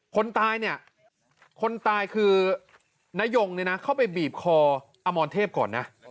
คนตายเนี่ยคนตายคือนายงเนี่ยนะเข้าไปบีบคออมรเทพก่อนนะ